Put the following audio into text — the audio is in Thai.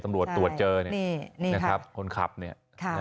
สำรวจตรวจเจอเนี่ยคนขับเนี่ย